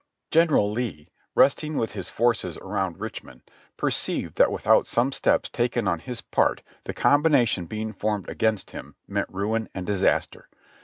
General Lee, resting with his forces around Richmond, per ceived that without some steps taken on his part the combina tion being formed against him meant ruin and disaster.